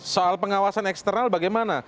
soal pengawasan eksternal bagaimana